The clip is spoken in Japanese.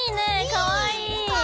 かわいい！